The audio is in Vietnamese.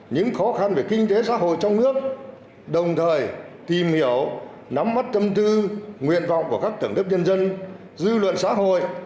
những khó khăn về kinh tế xã hội trong nước đồng thời tìm hiểu nắm mắt tâm tư nguyện vọng của các tầng đất nhân dân dư luận xã hội